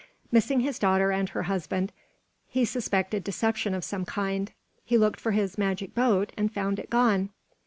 Missing his daughter and her husband, he suspected deception of some kind; he looked for his magic boat and found it gone.